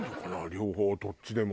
両方どっちでも。